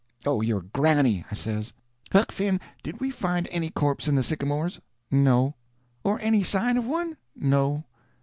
"Oh your granny!" I says. "Huck Finn, did we find any corpse in the sycamores?" "No." "Or any sign of one?" "No."